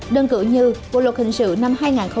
đơn cử như bộ luật hình sự năm hai nghìn một mươi năm